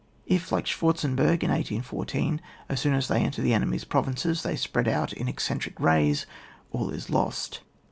If, like Schwart zenberg in 1814, as soon as they enter the enemy's provinces they spread out in eccentric rays all is lost.